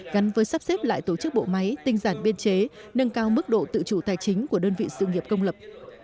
gắn với sắp xếp lại tổ chức bộ máy tinh giản biên chế nâng cao mức độ tự chủ tài chính của đơn vị sự nghiệp công lập